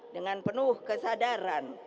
dengan penuh kesadaran